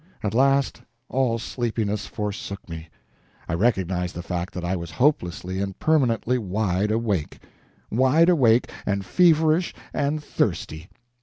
At last all sleepiness forsook me. I recognized the fact that I was hopelessly and permanently wide awake. Wide awake, and feverish and thirsty.